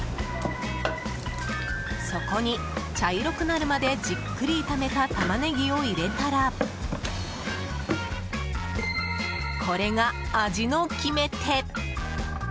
そこに、茶色くなるまでじっくり炒めたタマネギを入れたらこれが、味の決め手！